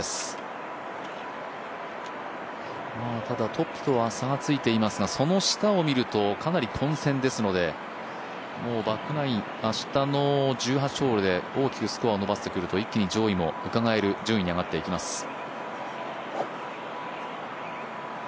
ただトップとは差がついていますがその下を見るとかなり混戦ですのでもうバックナイン明日の１８ホールで大きくスコアを伸ばしてくると一気に上位も、うかがえる順位にはなってきます。